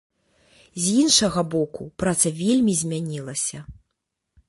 З іншага боку, праца вельмі змянілася.